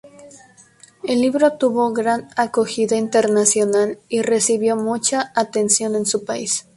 El libro tuvo gran acogida internacional y recibió mucha atención en su país.